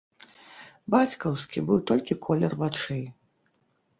Бацькаўскі быў толькі колер вачэй.